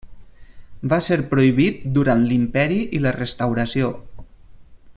Va ser prohibit durant l'Imperi i la Restauració.